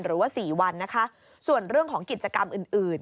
หรือว่าสี่วันนะคะส่วนเรื่องของกิจกรรมอื่นอื่น